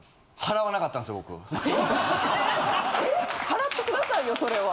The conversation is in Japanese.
払ってくださいよそれは。